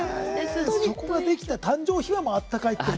そこができた誕生秘話も温かいって。